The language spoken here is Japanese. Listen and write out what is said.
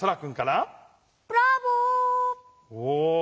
お。